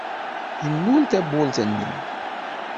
Yennul tawwurt-nni.